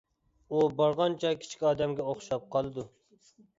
ئۇ بارغانچە كىچىك ئادەمگە ئوخشاپ قالىدۇ.